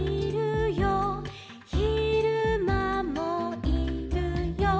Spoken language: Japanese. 「ひるまもいるよ」